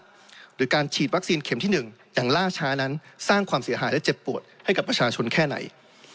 หรือการฉีดวัคซีนเข็มที่๑อย่างล่าช้านั้นสร้างความเสียหายและเจ็บปวดให้กับประชาชนแค่ไหน